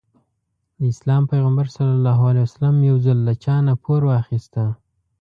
د اسلام پيغمبر ص يو ځل له چانه پور واخيسته.